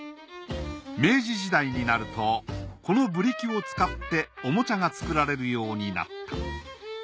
明治時代になるとこのブリキを使っておもちゃが作られるようになった。